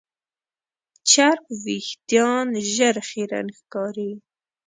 چرب وېښتيان ژر خیرن ښکاري.